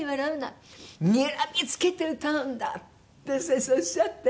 「にらみつけて歌うんだ」って先生おっしゃって。